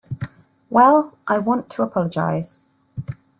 Well, I want to apologise.